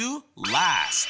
ラスト？